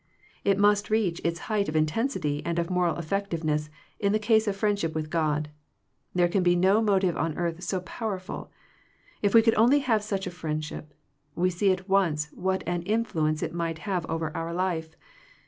It must reach its height of intensity and of moral effec tiveness in the case of friendship with God. There can be no motive on earth so powerful. If we could only have such a friendship, we see at once what an in fluence it might have over our life.